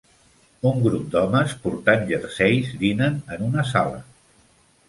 Un grup d'homes portant jerseis dinen en una sala.